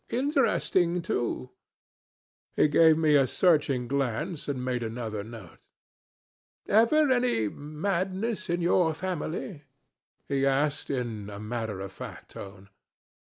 Interesting too.' He gave me a searching glance, and made another note. 'Ever any madness in your family?' he asked, in a matter of fact tone.